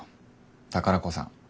宝子さん。